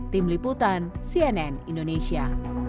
tim liputan cnn indonesia